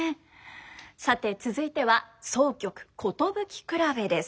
さて続いては箏曲「寿くらべ」です。